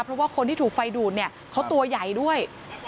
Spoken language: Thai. เพราะว่าคนที่ถูกไฟดูดเนี่ยเขาตัวใหญ่ด้วย